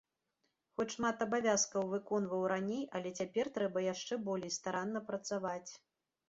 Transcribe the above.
Хоць шмат абавязкаў выконваў раней, але цяпер трэба яшчэ болей старанна працаваць.